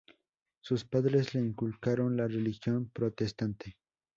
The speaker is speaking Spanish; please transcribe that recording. Sus padres le inculcaron la religión protestante.